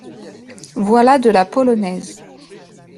Voilà de la polonaise.